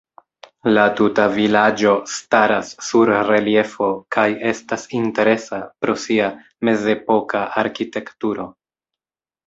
La tuta vilaĝo staras sur reliefo kaj estas interesa pro sia mezepoka arkitekturo.